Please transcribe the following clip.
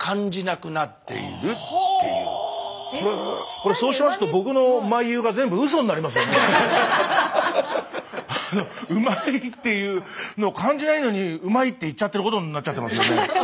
これそうしますと「うまい」っていうの感じないのに「うまい」って言っちゃってることになっちゃってますよね。